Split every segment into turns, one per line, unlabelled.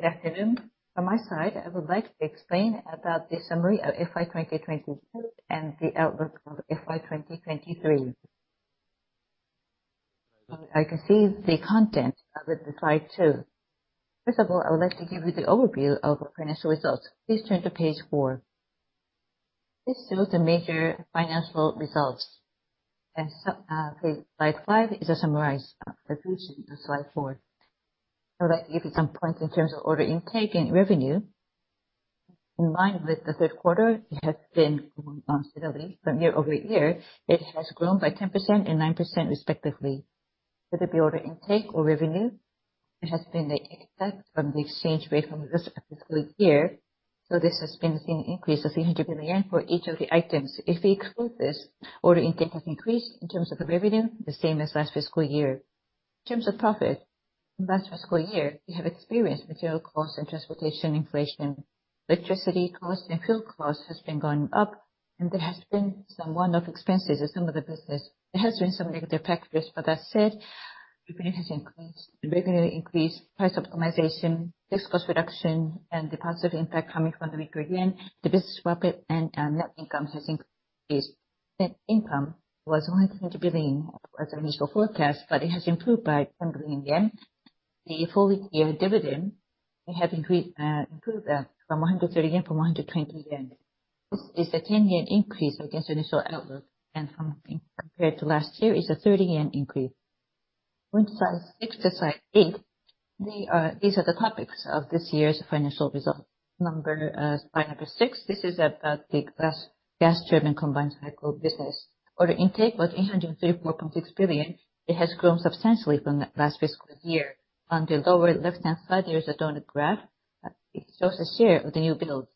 Good afternoon. From my side, I would like to explain about the summary of FY2022 and the outlook for FY2023. I can see the content of it in slide 2. First of all, I would like to give you the overview of our financial results. Please turn to page 4. This shows the major financial results. slide 5 is a summarized reduction to slide 4. I would like to give you some points in terms of order intake and revenue. In line with the third quarter, it has been growing steadily from year-over-year. It has grown by 10% and 9% respectively. Whether it be order intake or revenue, it has been the impact from the exchange rate from the rest of the fiscal year. This has been the same increase of 300 billion for each of the items. If we exclude this, order intake has increased in terms of the revenue, the same as last fiscal year. In terms of profit, last fiscal year, we have experienced material cost and transportation inflation. Electricity cost and fuel cost has been going up, and there has been some one-off expenses in some of the business. There has been some negative factors, That said, revenue has increased. Revenue increase, price optimization, fixed cost reduction, and the positive impact coming from the weaker yen, the Business Profit and net income has increased. Net income was 120 billion as our initial forecast, but it has improved by 10 billion yen. The full year dividend, we have increased, improved, from 130 yen from 120 yen. This is a 10 yen increase against initial outlook, compared to last year, it's a 30 yen increase. Going to slides 6 to slide 8, these are the topics of this year's financial results. Slide number 6, this is about the Gas Turbine Combined Cycle business. Order intake was 834.6 billion. It has grown substantially from the last fiscal year. On the lower left-hand side, there is a donut graph. It shows the share of the new builds.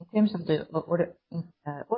In terms of the order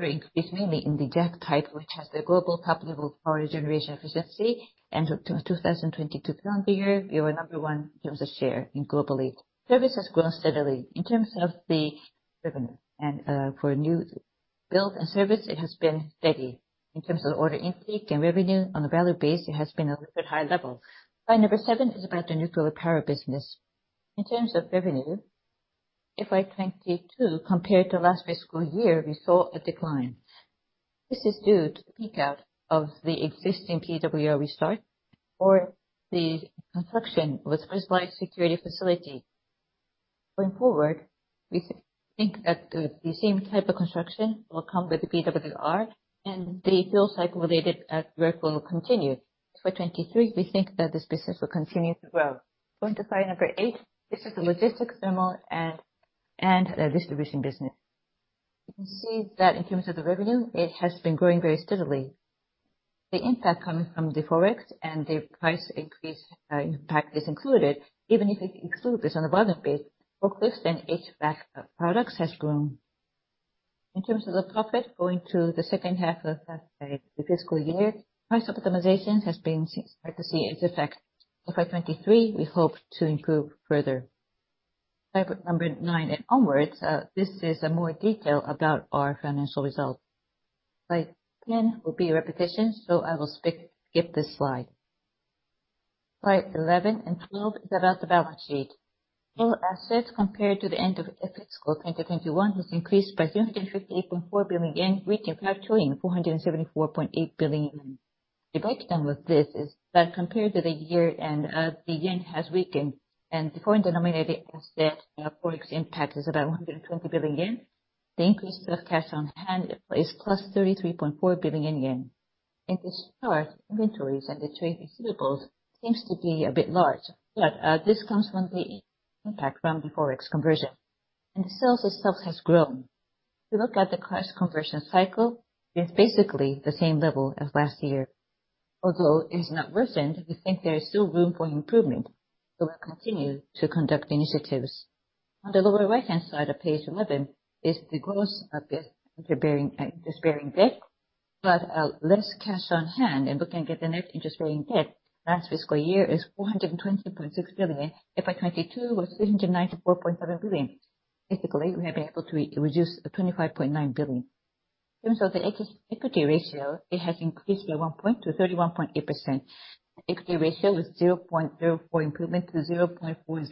increase, mainly in the JAC-series, which has the global top level power generation efficiency. To 2022 planning year, we were number 1 in terms of share in globally. Service has grown steadily. In terms of the revenue and for new build and service, it has been steady. In terms of order intake and revenue on a value base, it has been a little bit high level. Slide number 7 is about the nuclear power business. In terms of revenue, FY2022 compared to last fiscal year, we saw a decline. This is due to the peak-out of the existing PWR restart or the construction with worldwide security facility. Going forward, we think that the same type of construction will come with the PWR, and the fuel cycle related work will continue. For 2023, we think that this business will continue to grow. Going to slide number 8, this is the Logistics, Thermal, and the distribution business. You can see that in terms of the revenue, it has been growing very steadily. The impact coming from the FX and the price increase impact is included. Even if we exclude this on a volume base, focus on HVAC products has grown. In terms of the profit, going to the second half of the fiscal year, price optimization has been starting to see its effect. FY2023, we hope to improve further. Slide 9 and onwards, this is more detail about our financial results. Slide 10 will be repetition, so I will skip this slide. Slide 11 and 12 is about the balance sheet. Total assets compared to the end of FY 2021 has increased by 258.4 billion yen, reaching 4,474.8 billion yen. The breakdown of this is that compared to the year end, the yen has weakened, the foreign denominated asset, forex impact is about 120 billion yen. The increase of cash on hand is +33.4 billion yen. In this chart, inventories and the trade receivables seems to be a bit large, this comes from the impact from the forex conversion. The sales itself has grown. If you look at the cash conversion cycle, it's basically the same level as last year. Although it has not worsened, we think there is still room for improvement, we'll continue to conduct initiatives. On the lower right-hand side of page 11 is the growth of the interest-bearing debt, less cash on hand. Looking at the net interest-bearing debt, FY2023 is 420.6 billion. FY2022 was 394.7 billion. Basically, we have been able to re-reduce 25.9 billion. In terms of the equity ratio, it has increased by 1 point to 31.8%. Equity ratio was 0.04 improvement to 0.40. We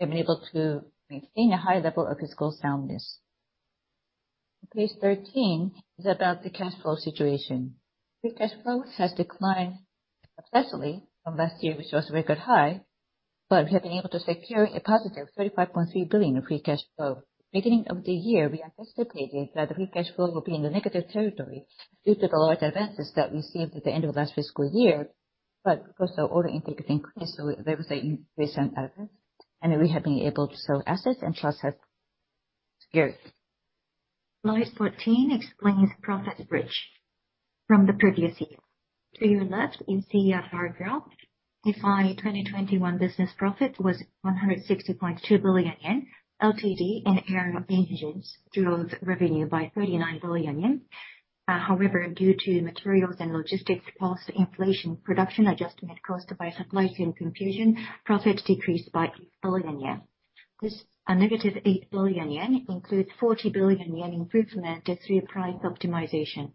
have been able to maintain a high level of fiscal soundness. Page 13 is about the cash flow situation. Free cash flow has declined substantially from last year, which was record high, but we have been able to secure a positive 35.3 billion of free cash flow. Beginning of the year, we anticipated that the free cash flow will be in the negative territory due to the large advances that we received at the end of last fiscal year. Because our order intake has increased, there was a recent advance, and we have been able to sell assets and thus have secured. Slide 14 explains profit bridge from the previous year. To your left, you can see a bar graph. FY2021 Business Profit was 160.2 billion yen. LT&D and Aero Engines drove revenue by 39 billion yen. However, due to materials and logistics cost inflation, production adjustment caused by supply chain confusion, profit decreased by 8 billion yen. This negative 8 billion yen includes 40 billion yen improvement just through price optimization.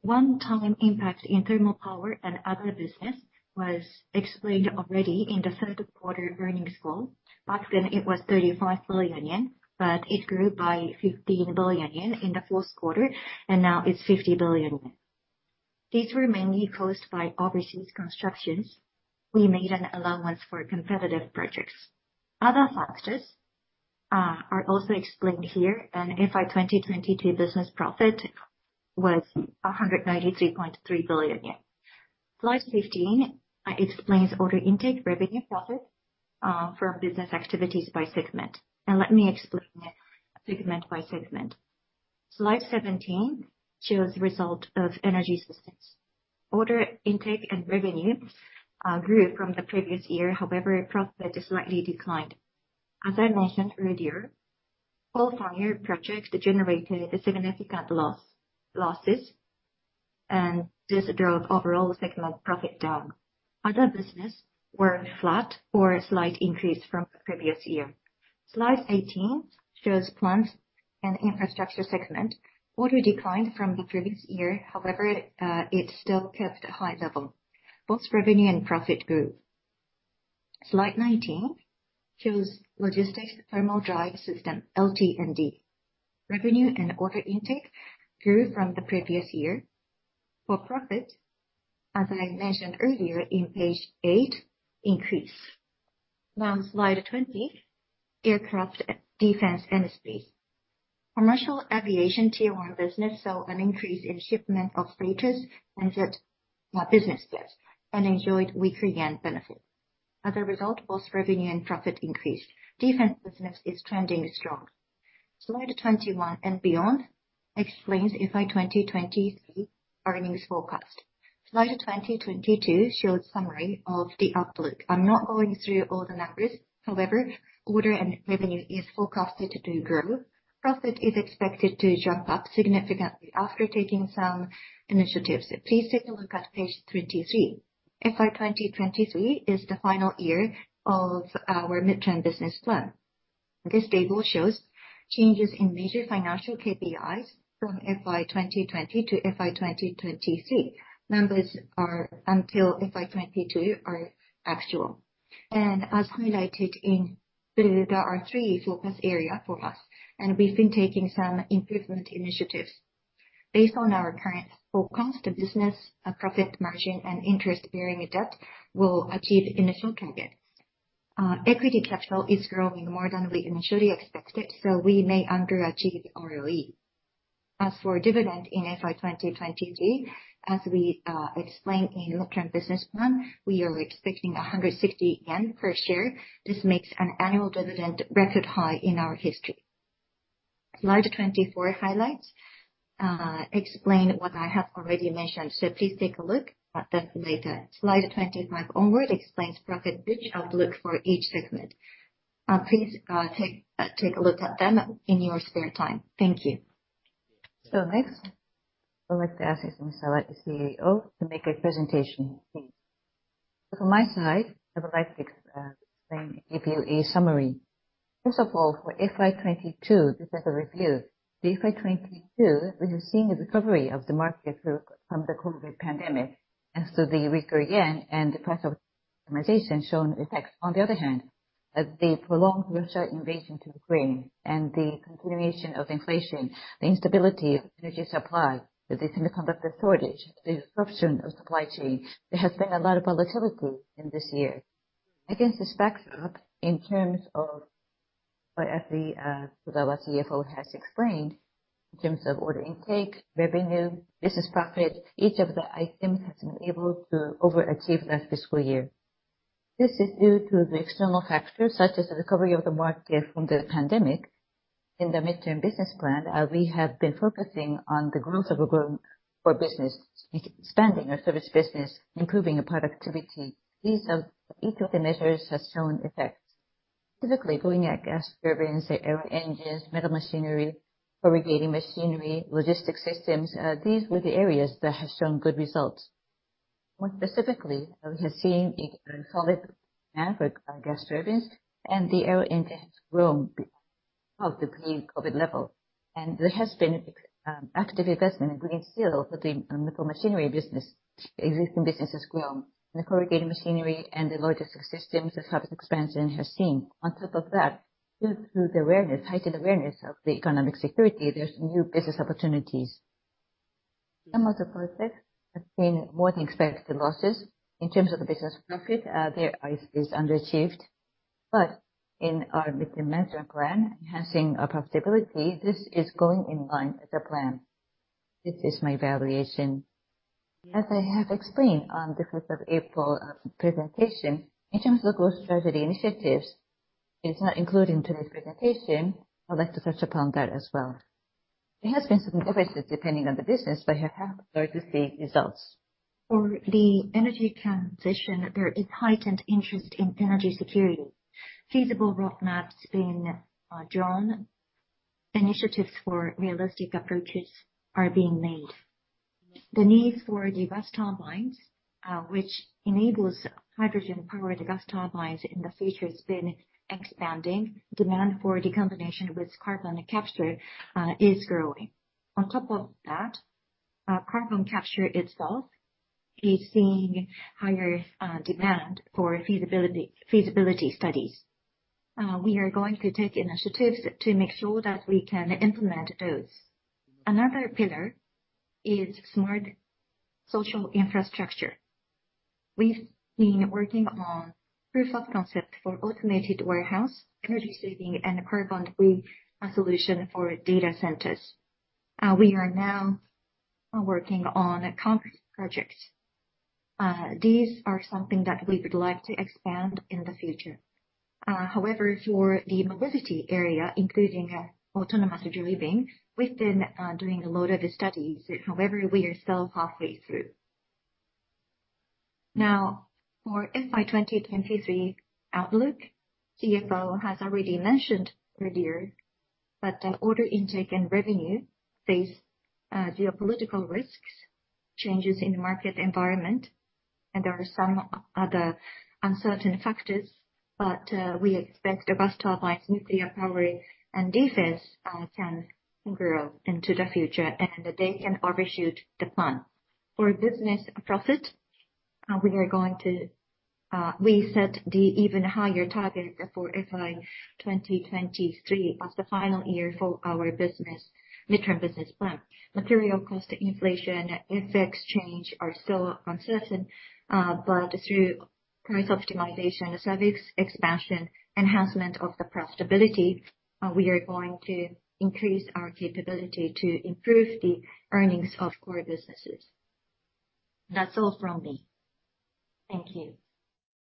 One time impact in thermal power and other business was explained already in the third quarter earnings call. Back then it was 35 billion yen, but it grew by 15 billion yen in the fourth quarter and now it's 50 billion yen. These were mainly caused by overseas constructions. We made an allowance for competitive projects. Other factors are also explained here, and FY2022 Business Profit was 193.3 billion yen. Slide 15 explains order intake revenue profit from business activities by segment. Now let me explain it segment by segment. Slide 17 shows result of Energy Systems. Order intake and revenue grew from the previous year. However, profit is slightly declined. As I mentioned earlier, qualified projects generated losses, and this drove overall segment profit down. Other business were flat or a slight increase from the previous year. Slide 18 shows Plants & Infrastructure Systems segment. Order declined from the previous year, however, it still kept a high level. Both revenue and profit grew. Slide 19 shows Logistics, Thermal & Drive Systems, LT&D. Revenue and order intake grew from the previous year. For profit, as I mentioned earlier in page 8, increased. Slide 20, Aircraft, Defense & Space. Commercial aviation OEM business saw an increase in shipment of freighters and jet business jets, and enjoyed weaker JPY benefit. Both revenue and profit increased. Defense business is trending strong. Slide 21 and beyond explains FY2023 earnings forecast. Slide 22 shows summary of the outlook. I'm not going through all the numbers, however, order and revenue is forecasted to grow. Profit is expected to jump up significantly after taking some initiatives. Please take a look at page 23. FY2023 is the final year of our Medium-Term Business Plan. This table shows changes in major financial KPIs from FY2020 to FY2023. Numbers are until FY2020 are actual. As highlighted in blue, there are 3 focus areas for us, and we've been taking some improvement initiatives. Based on our current forecast, Business Profit Margin and interest bearing debt will achieve initial targets. Equity capital is growing more than we initially expected, so we may underachieve ROE. As for dividend in FY2023, as we explained in long-term business plan, we are expecting 160 yen per share. This makes an annual dividend record high in our history. Slide 24 highlights, explain what I have already mentioned, so please take a look at that later. Slide 25 onward explains profit bridge outlook for each segment. Please take a look at them in your spare time. Thank you. Next, I would like to ask Izumisawa, the CEO, to make a presentation, please.
My side, I would like to explain, give you a summary. For FY2022, just as a review, the FY2022, we have seen a recovery of the market from the COVID pandemic. As to the weaker yen and the price optimization shown effects. As the prolonged Russia invasion to Ukraine and the continuation of inflation, the instability of energy supply with the semiconductor shortage, the disruption of supply chain, there has been a lot of volatility in this year. In terms of what as the Kozawa CFO has explained, in terms of order intake, revenue, Business Profit, each of the items has been able to overachieve last fiscal year. This is due to the external factors such as the recovery of the market from the pandemic. In the Medium-Term Business Plan, we have been focusing on the growth of a growing core business, expanding our service business, improving productivity. These are each of the measures has shown effects. Specifically, looking at gas turbines, the Aero Engines, Metals Machinery, lifting machinery, logistics systems, these were the areas that have shown good results. More specifically, we have seen a solid for gas turbines and the Aero Engines grow of the pre-COVID level. There has been active investment in green steel for the Metals Machinery business. Existing businesses grow. The lifting machinery and the logistics systems has had expansion we're seeing. On top of that, due to the awareness, heightened awareness of the economic security, there's new business opportunities. Some of the projects have seen more than expected losses. In terms of the Business Profit, is underachieved. In our midterm management plan, enhancing our profitability, this is going in line with the plan. This is my evaluation. As I have explained on the 5th of April presentation, in terms of growth strategy initiatives, it's not including today's presentation. I'd like to touch upon that as well. There has been some differences depending on the business, but we have started to see results. For the energy transition, there is heightened interest in energy security. Feasible roadmaps being drawn. Initiatives for realistic approaches are being made. The need for diverse tailwinds. Which enables hydrogen co-firing to gas turbines in the future has been expanding. Demand for the combination with carbon capture is growing. Carbon capture itself is seeing higher demand for feasibility studies. We are going to take initiatives to make sure that we can implement those. Another pillar is smart social infrastructure. We've been working on proof of concept for automated warehouse, energy saving, and carbon-free solution for data centers. We are now working on concrete projects. These are something that we would like to expand in the future. For the mobility area, including autonomous delivery van, we've been doing a lot of studies. We are still halfway through. For FY2023 outlook, CFO has already mentioned earlier that order intake and revenue face geopolitical risks, changes in market environment, and there are some other uncertain factors. We expect the gas turbines, nuclear power, and defense can grow into the future, and they can overshoot the plan. For Business Profit, we are going to reset the even higher target for FY2023 as the final year for our business, Medium-Term Business Plan. Material cost inflation and FX change are still uncertain, but through price optimization, service expansion, enhancement of the profitability, we are going to increase our capability to improve the earnings of core businesses. That's all from me. Thank you.